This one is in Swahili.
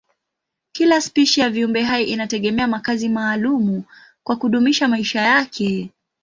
Kila spishi ya viumbehai inategemea makazi maalumu kwa kudumisha maisha yake.